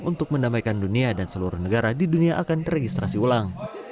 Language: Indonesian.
untuk mendamaikan dunia dan seluruh negara di dunia akan teregistrasi ulang